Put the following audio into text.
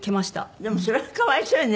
でもそれは可哀想よね。